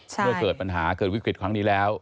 เมื่อเกิดปัญหาเกิดวิกฤตครั้งนี้แล้ว